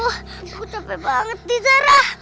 aduh gue capek banget nih sarah